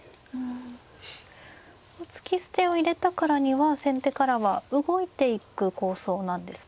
突き捨てを入れたからには先手からは動いていく構想なんですか。